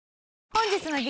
本日の激